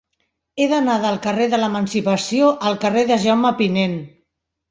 He d'anar del carrer de l'Emancipació al carrer de Jaume Pinent.